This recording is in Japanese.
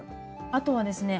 あとはですね